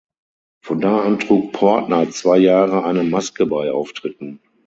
Von da an trug Portner zwei Jahre eine Maske bei Auftritten.